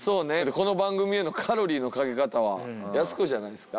この番組へのカロリーのかけ方はやす子じゃないっすか？